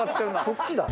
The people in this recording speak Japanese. こっちだ。